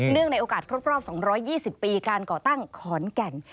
ในโอกาสครบรอบ๒๒๐ปีการก่อตั้งขอนแก่น